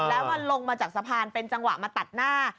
แล้วมันลงมาจากสะพานเป็นจังหวะมาตัดหน้า